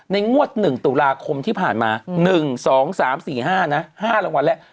งวด๑ตุลาคมที่ผ่านมา๑๒๓๔๕นะ๕รางวัลแล้ว